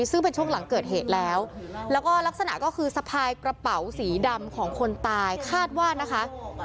ซึ่งเป็นช่วงหลังเกิดเหตุแล้วแล้วก็ลักษณะก็คือสะพายกระเป๋าสีดำของคนตายคาดว่านะคะ